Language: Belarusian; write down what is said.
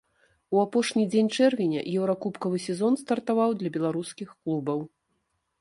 У апошні дзень чэрвеня еўракубкавы сезон стартаваў для беларускіх клубаў.